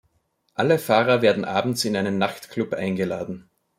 Alle Fahrer werden abends in einen Nachtclub eingeladen.